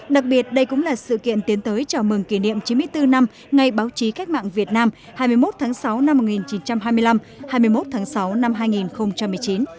đặc biệt đây cũng là sự kiện tiến tới chào mừng kỷ niệm chín mươi bốn năm ngày báo chí cách mạng việt nam hai mươi một tháng sáu năm một nghìn chín trăm hai mươi năm hai mươi một tháng sáu năm hai nghìn một mươi chín